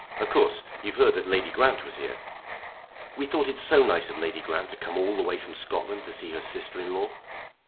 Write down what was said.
Of course you've heard that Lady Grant was here." "We thought it so nice of Lady Grant to come all the way from Scotland to see her sister in law."